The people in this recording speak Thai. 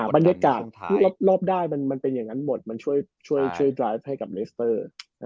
บรรยากาศที่รอบได้มันเป็นอย่างนั้นหมดมันช่วยดราฟให้กับเลสเตอร์